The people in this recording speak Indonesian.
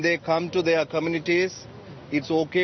ketika mereka datang ke komunitas mereka